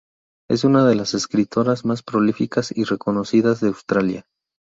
Es una de las escritoras más prolíficas y reconocidas de Australia.